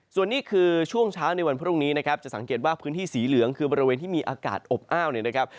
ส่วนนี้คือช่วงเช้าในวันพรุ่งนี้นะครับจะสังเกตว่าพื้นที่สีเหลืองคือบริเวณที่มีอากาศอบอ้าวเนี่ยนะครับ